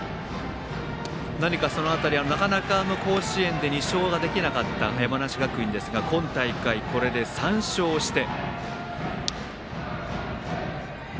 その辺りはなかなか甲子園で２勝ができなかった山梨学院ですが今大会これで３勝して。